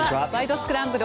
スクランブル」